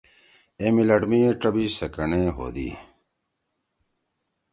اے مِلٹ می ڇَبیِش سِکنڈے ہودی۔